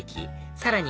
さらに